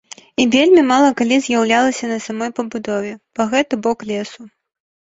І вельмі мала калі з'яўляўся на самай пабудове, па гэты бок лесу.